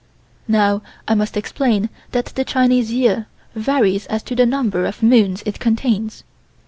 Now I must explain that the Chinese year varies as to the number of moons it contains.